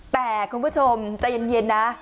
แต่คุณผู้ชมใจเย็นนะ